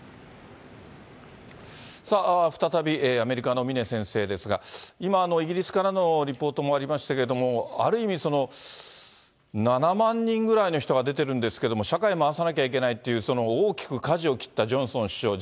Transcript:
さあ、再びアメリカの峰先生ですが、今、イギリスからのリポートもありましたけれども、ある意味、７万人ぐらいの人が出てるんですけども、社会を回さなきゃいけないっていう、大きくかじを切ったジョンソン首相。